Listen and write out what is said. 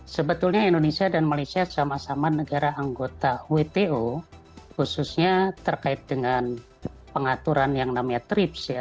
sebetulnya indonesia dan malaysia sama sama negara anggota wto khususnya terkait dengan pengaturan yang namanya trips ya